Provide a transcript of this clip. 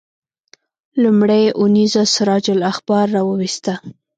لومړۍ اونیزه سراج الاخبار راوویسته.